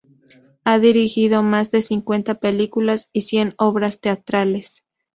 Ha dirigido más de cincuenta películas y cien obras teatrales.